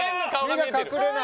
目が隠れない！